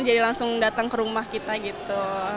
jadi langsung datang ke rumah kita gitu